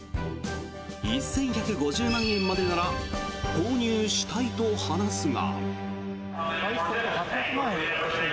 １１５０万円までなら購入したいと話すが。